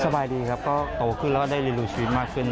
สบายดีครับก็โตขึ้นแล้วก็ได้รีลูชีวิตมากขึ้น